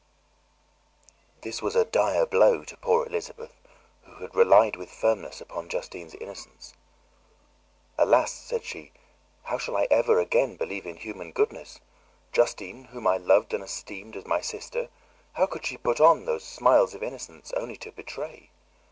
This was a dire blow to poor Elizabeth, who had relied with firmness upon Justine's innocence. "Alas!" said she. "How shall I ever again believe in human goodness? Justine, whom I loved and esteemed as my sister, how could she put on those smiles of innocence only to betray?